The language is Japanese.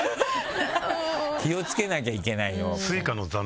気を付けなきゃいけないよ。